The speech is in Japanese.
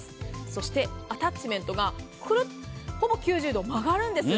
そしてアタッチメントがクルッとほぼ９０度曲がるんです。